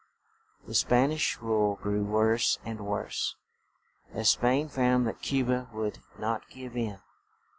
The Span ish rule grew worse and worse, as Spain found that Cu ba would not give in.